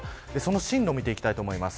進路を見ていきます。